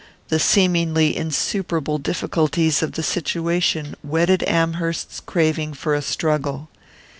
The seemingly insuperable difficulties of the situation whetted Amherst's craving for a struggle.